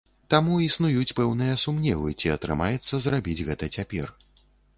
Таму існуюць пэўныя сумневы, ці атрымаецца зрабіць гэта цяпер.